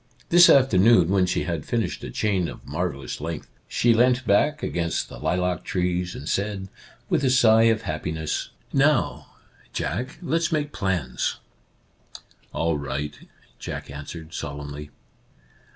This afternoon, when she had finished a chain of marvellous length, she leant back against the lilac trees and said, with a sigh of happiness :" Now, Jack, let's make plans !"" All right," Jack answered, solemnly.